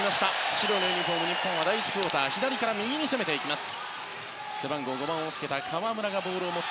白のユニホーム、日本は第１クオーター左から右に攻めていきます。